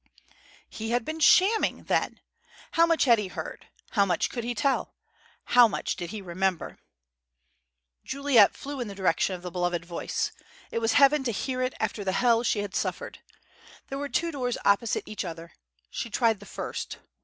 He had been shamming, then! How much had he heard? How much could he tell? How much did he remember? Juliet flew in the direction of the beloved voice. It was heaven to hear it after the hell she had suffered! There were two doors opposite each other. She tried the first.